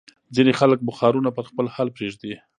ځینې خلک بخارونه پر خپل حال پرېږدي.